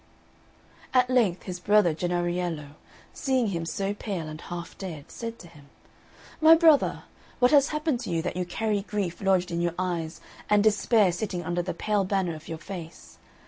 At length his brother Jennariello, seeing him so pale and half dead, said to him, "My brother, what has happened to you, that you carry grief lodged in your eyes, and despair sitting under the pale banner of your face?